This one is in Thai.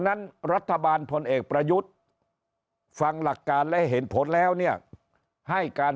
นั้นรัฐบาลพลเอกประยุทธ์ฟังหลักการและเห็นผลแล้วเนี่ยให้การ